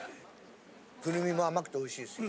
くるみも甘くておいしいですよ。